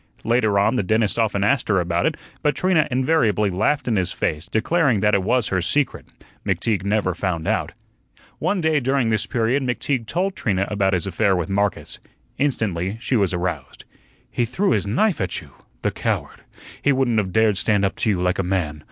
Later on, the dentist often asked her about it, but Trina invariably laughed in his face, declaring that it was her secret. McTeague never found out. One day during this period McTeague told Trina about his affair with Marcus. Instantly she was aroused. "He threw his knife at you! The coward! He wouldn't of dared stand up to you like a man.